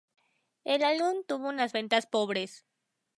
El álbum tuvo unas ventas pobres.